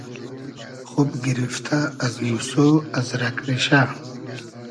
خوب گیریفتۂ از موسۉ از رئگ ریشۂ